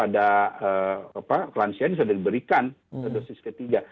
dan pada lansia ini sudah diberikan dosis ketiga